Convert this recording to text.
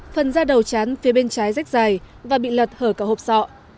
phần ra đầu chán phía bên trái rách dài và bị lật hở cả hộp sọ